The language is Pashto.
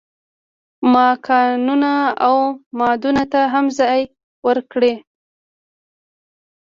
ما کانونو او معادنو ته هم ځای ورکړ.